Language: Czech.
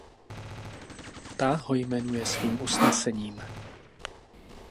Ta ho jmenuje svým usnesením.